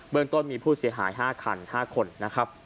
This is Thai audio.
เมืองต้นมีผู้เสียหาย๕คัน๕คนนะครับ